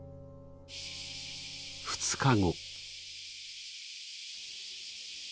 ２日後。